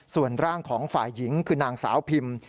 ส่วนร่างของฝ่ายหญิงคือนางสาวพิม